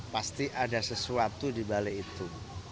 pasti ada sesuatu di balik itu